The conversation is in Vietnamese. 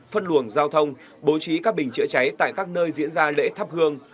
phân luồng giao thông bố trí các bình chữa cháy tại các nơi diễn ra lễ thắp hương